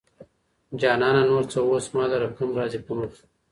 جانانه ! نور څه اوس ما لره کم راځي په مخه